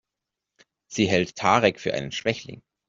Sie hält Tarek für einen Schwächling.